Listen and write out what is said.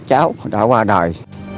cháu đã qua đời